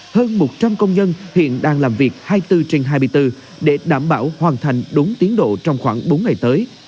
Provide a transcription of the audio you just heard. hơn một trăm linh công nhân hiện đang làm việc hai mươi bốn trên hai mươi bốn để đảm bảo hoàn thành đúng tiến độ trong khoảng bốn ngày tới